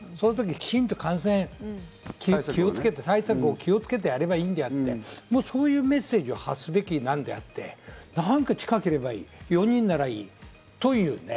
きちんと感染対策に気をつけていればいいのであって、そういうメッセージを発すべきであって、なんか近ければいい、４人ならいい、そういうね。